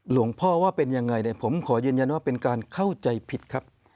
หลวงพ่อว่าเป็นยังไงเนี่ยผมขอยืนยันว่าเป็นการเข้าใจผิดครับ